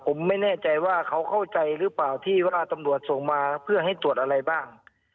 ผมไม่แน่ใจว่าเขาเข้าใจหรือเปล่าที่ว่าตำรวจส่งมาเพื่อให้ตรวจอะไรบ้าง